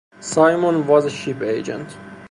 Simon was a ship agent.